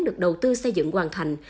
được đầu tư xây dựng hoàn thành